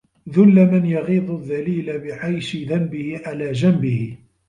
ذُلَّ من يغيظ الذليل بعيش ذنبه على جنبه